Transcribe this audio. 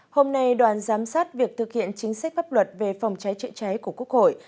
hôm nay đoàn giám sát việc thực hiện chính sách pháp luật về phòng cháy chữa cháy của quốc hội